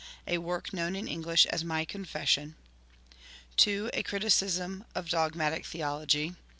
A work known in English as My Con fession} 2. A Criticism of Dogmatic Theology.